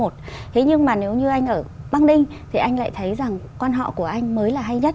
thế nhưng mà nếu như anh ở băng đinh thì anh lại thấy rằng quan họ của anh mới là hay nhất